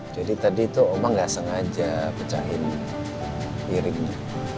jadi tadi itu oma gak sengaja pecahin piringnya